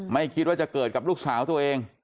ไม่คิดว่าจะเกิดกับลูกสาวตัวเอง